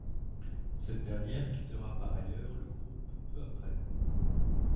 Cette dernière quittera par ailleurs le groupe peu après.